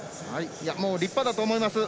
もう立派だと思います。